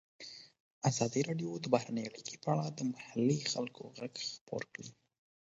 ازادي راډیو د بهرنۍ اړیکې په اړه د محلي خلکو غږ خپور کړی.